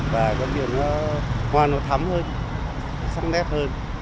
và có những cái hoa nó thấm hơn sắc nét hơn